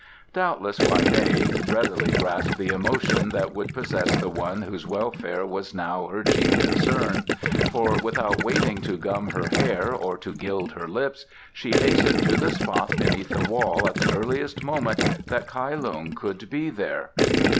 Doubtless Hwa mei readily grasped the emotion that would possess the one whose welfare was now her chief concern, for without waiting to gum her hair or to gild her lips she hastened to the spot beneath the wall at the earliest moment that Kai Lung could be there.